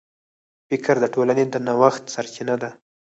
فکر د ټولنې د نوښت سرچینه ده.